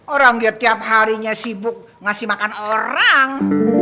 orang dia tiap harinya sibuk ngasih makan orang